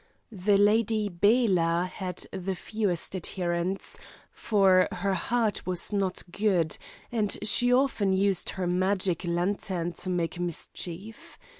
The Lady Bela had the fewest adherents, for her heart was not good, and she often used her magic lantern to make mischief.